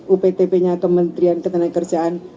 uptp nya kementerian ketenaga kerjaan